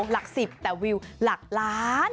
หลัก๑๐แต่วิวหลักล้าน